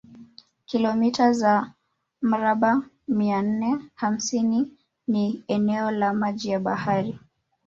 kilomita za mraba mia nne hamsini ni eneo la maji ya bahari